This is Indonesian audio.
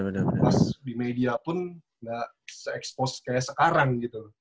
mas di media pun gak se exposed kayak sekarang gitu